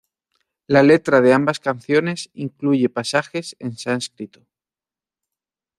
La letra de ambas canciones incluye pasajes en sánscrito.